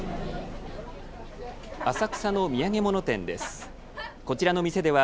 浅草の土産物店です。